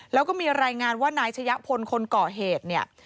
แล้วก็มีรายงานว่านายชะยะพลคนก่อเหตุเนี่ย